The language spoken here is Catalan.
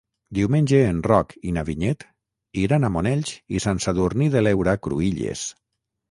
Diumenge en Roc i na Vinyet iran a Monells i Sant Sadurní de l'Heura Cruïlles.